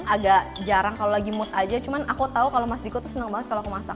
agak jarang kalau lagi mood aja cuman aku tahu kalau mas diko itu senang banget kalau aku masak